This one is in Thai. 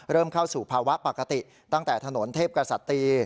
เข้าสู่ภาวะปกติตั้งแต่ถนนเทพกษัตรี